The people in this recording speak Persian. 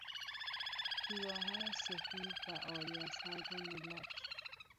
پیراهنی سفید و عاری از هر گونه لک